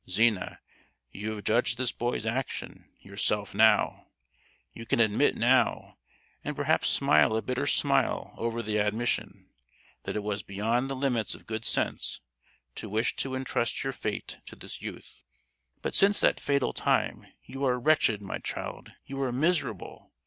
Zina, you have judged this boy's action yourself now! You can admit now, and perhaps smile a bitter smile over the admission, that it was beyond the limits of good sense to wish to entrust your fate to this youth. "But since that fatal time you are wretched, my child, you are miserable!